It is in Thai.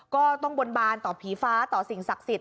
ก็ต้องบนบานต่อผีฟ้าต่อสิ่งศักดิ์สิทธ